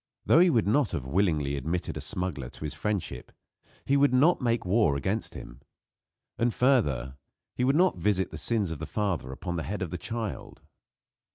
Though he would not have willingly admitted a smuggler to his friendship, he would not make war against him. And, further, he would not visit the sins of the father upon the head of the child.